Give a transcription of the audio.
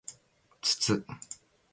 つつ